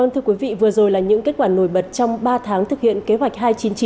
thưa quý vị vừa rồi là những kết quả nổi bật trong ba tháng thực hiện kế hoạch hai trăm chín mươi chín